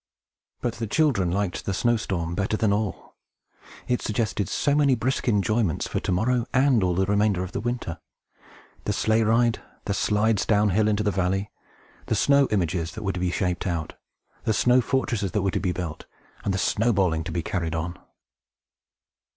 But the children liked the snow storm better than them all. It suggested so many brisk enjoyments for to morrow, and all the remainder of the winter. The sleigh ride; the slides down hill into the valley; the snow images that were to be shaped out; the snow fortresses that were to be built; and the snowballing to be carried on!